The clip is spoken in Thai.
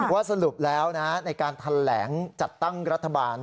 ว่าสรุปแล้วในการแถลงจัดตั้งรัฐบาล